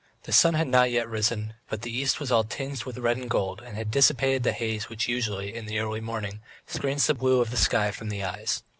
The sun had not yet risen, but the east was all tinged with red and gold and had dissipated the haze which usually, in the early morning, screens the blue of the sky from the eyes.